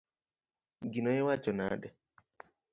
Gino iwacho nade?